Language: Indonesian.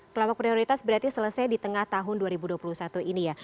kelompok prioritas berarti selesai di tengah tahun dua ribu dua puluh satu ini ya